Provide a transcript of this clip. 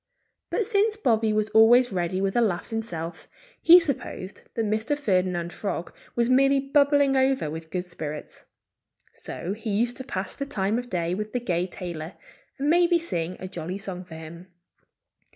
But since Bobby was always ready with a laugh himself, he supposed that Mr. Ferdinand Frog was merely bubbling over with good spirits. So he used to pass the time of day with the gay tailor and maybe sing a jolly song for him.